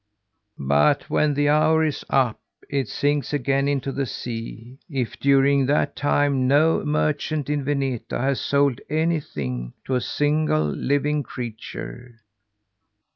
"But when the hour is up, it sinks again into the sea, if, during that time, no merchant in Vineta has sold anything to a single living creature.